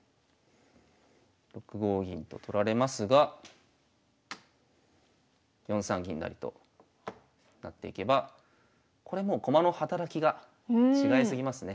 ６五銀と取られますが４三銀成となっていけばこれもう駒の働きが違いすぎますね。